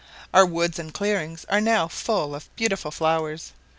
Our woods and clearings are now full of beautiful flowers.